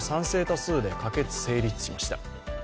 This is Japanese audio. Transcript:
多数で可決・成立しました。